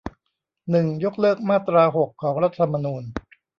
หนึ่ง ยกเลิกมาตราหก ของรัฐธรรมนูญ